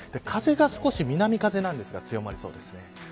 風が少し南風なんですが強まりそうです。